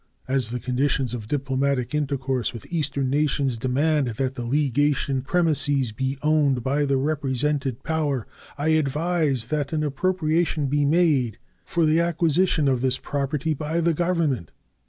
As the conditions of diplomatic intercourse with Eastern nations demand that the legation premises be owned by the represented power, I advise that an appropriation be made for the acquisition of this property by the Government.